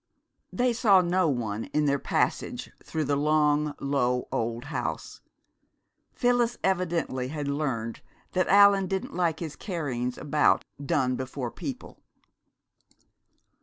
They saw no one in their passage through the long, low old house. Phyllis evidently had learned that Allan didn't like his carryings about done before people.